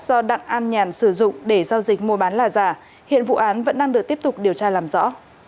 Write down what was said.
do đặng an nhàn sử dụng để giao dịch mua bán là giả hiện vụ án vẫn đang được tiếp tục điều tra làm rõ